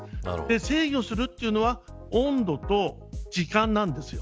制御するというのは温度と時間なんです。